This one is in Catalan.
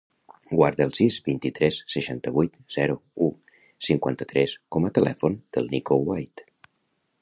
Guarda el sis, vint-i-tres, seixanta-vuit, zero, u, cinquanta-tres com a telèfon del Niko White.